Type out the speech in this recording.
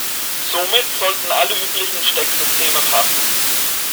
Somit sollten alle üblichen Stecksysteme passen.